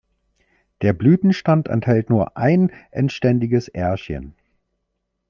Der Blütenstand enthält nur ein endständiges Ährchen.